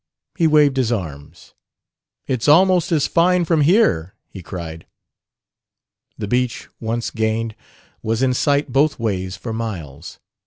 He waved his arms. "It's almost as fine from here!" he cried. The beach, once gained, was in sight both ways for miles.